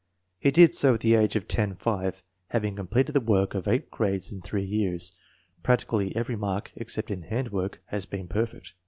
He did so at the age of 10 5, having completed the work of eight grades in three years. Practically every mark, except in handwork, has been perfect.